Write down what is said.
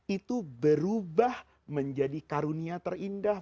itu berubah menjadi karunia terindah